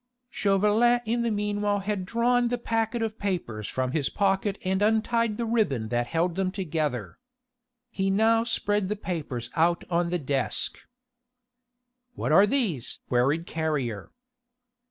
Chauvelin in the meanwhile had drawn the packet of papers from his pocket and untied the ribbon that held them together. He now spread the papers out on the desk. "What are these?" queried Carrier.